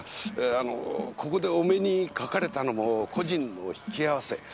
あのここでお目にかかれたのも故人の引き合わせ。